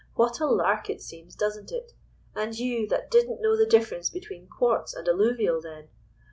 What a lark it seems, doesn't it? And you, that didn't know the difference between quartz and alluvial then!